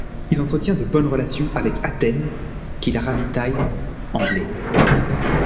Il entretient de bonnes relations avec Athènes, qu'il ravitaille en blé.